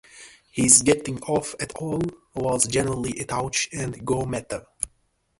His getting off at all was generally a touch and go matter.